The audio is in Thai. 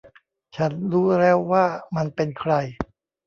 ฉันรู้แล้วว่ามันเป็นใคร